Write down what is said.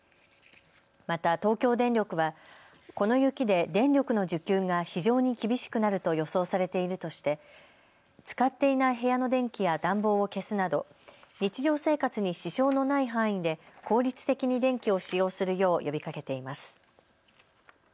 また東京電力はこの雪で電力の需給が非常に厳しくなると予想されているとして使っていない部屋の電気や暖房を消すなど、日常生活に支障のない範囲で効率的に電気を使用するよう呼びかけています。